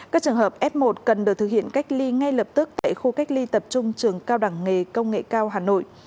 các trường hợp f một cần được thực hiện cách ly ngay lập tức tại khu cách ly tập trung trường cao đẳng nghề công nghệ cao hà nội